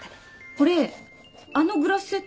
これあのグラスセット？